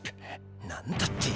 何だって！？